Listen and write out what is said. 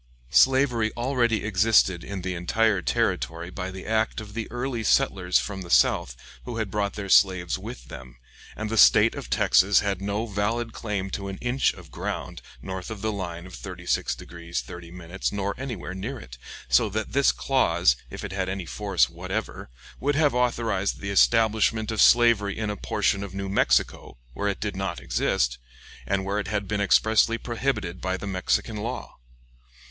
Slavery already existed in the entire territory by the act of the early settlers from the South who had brought their slaves with them, and the State of Texas had no valid claim to an inch of ground north of the line of 36 degrees 30' nor anywhere near it; so that this clause, if it had any force whatever, would have authorized the establishment of slavery in a portion of New Mexico, where it did not exist, and where it had been expressly prohibited by the Mexican law.